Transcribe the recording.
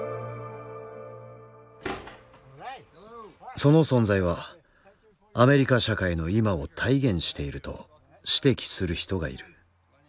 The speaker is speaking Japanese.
その存在はアメリカ社会の今を体現していると指摘する人がいる。